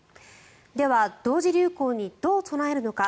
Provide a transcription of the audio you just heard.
では、同時流行にどう備えるのか。